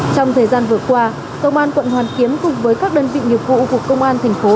trong thời gian vừa qua công an quận hoàn kiếm cùng với các đơn vị nghiệp vụ của công an thành phố